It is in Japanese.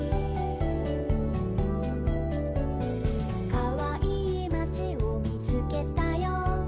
「かわいいまちをみつけたよ」